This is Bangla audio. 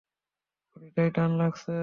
দড়িটায় টান লাগছে!